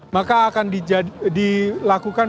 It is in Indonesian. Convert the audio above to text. maka akan dilakukan